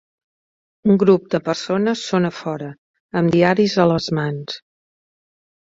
Un grup de persones són a fora, amb diaris a les mans